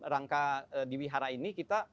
rangka di wihara ini kita